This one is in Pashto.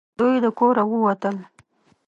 دوی د کوره ووتل .